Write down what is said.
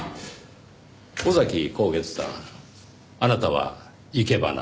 尾崎孝月さんあなたはいけばな